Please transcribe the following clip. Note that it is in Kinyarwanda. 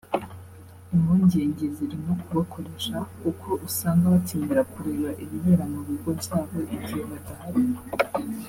Impungenge ziri no ku bakoresha kuko usanga bakenera kureba ibibera mu bigo byabo igihe badahari